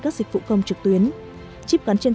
các dịch vụ công trực tuyến chip gắn trên